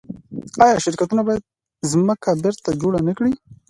آیا شرکتونه باید ځمکه بیرته جوړه نکړي؟